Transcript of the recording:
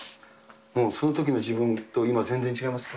もうその時の自分と全然違い